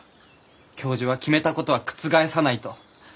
教授は決めたことは覆さないと。